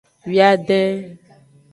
Wiaden.